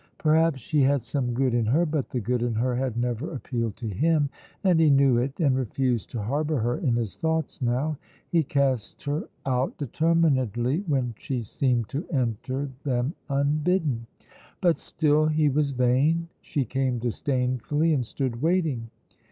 Perhaps she had some good in her, but the good in her had never appealed to him, and he knew it, and refused to harbour her in his thoughts now; he cast her out determinedly when she seemed to enter them unbidden. But still he was vain. She came disdainfully and stood waiting.